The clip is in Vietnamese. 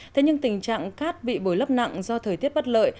thế nhưng tình trạng cát bị bồi lấp nặng do thời tiết bất lợi